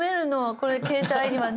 これ携帯にはね。